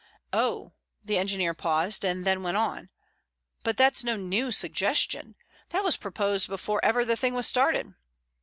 "Oh." The engineer paused, then went on: "But that's no new suggestion. That was proposed before ever the thing was started."